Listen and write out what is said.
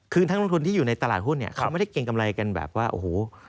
คือนักลงทุนที่อยู่ในตลาดหุ้นเนี่ยเขาไม่ได้เกรงกำไรกันแบบว่าโอ้โห